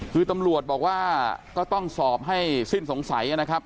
คือตำรวจบอกว่าก็ต้องสอบให้สิ้นสงสัยนะครับ